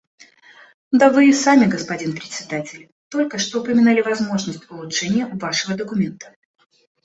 Да вы и сами, господин Председатель, только что упоминали возможность улучшения вашего документа.